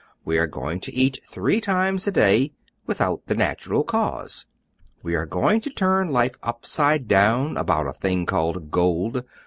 We are going to eat three times a day Without the natural cause! We are going to turn life upside down About a thing called gold!